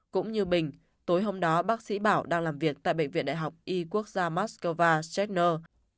cũng như bình tối hôm đó bác sĩ bảo đang làm việc tại bệnh viện đại học y quốc gia moscow scheer